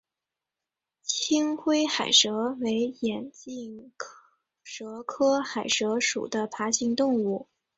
青灰海蛇为眼镜蛇科海蛇属的爬行动物。